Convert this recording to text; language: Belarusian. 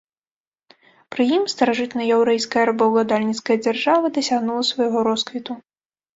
Пры ім старажытнаяўрэйская рабаўладальніцкая дзяржава дасягнула свайго росквіту.